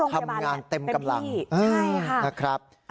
ทำงานเต็มกำลังใช่ค่ะ